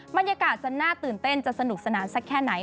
บรรยากาศจะน่าตื่นเต้นจะสนุกสนานสักแค่ไหน